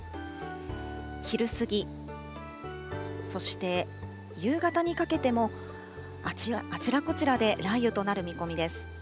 昼過ぎ、そして夕方にかけても、あちらこちらで雷雨となる見込みです。